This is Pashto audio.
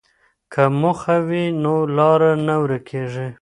که موخه وي نو لاره نه ورکېږي.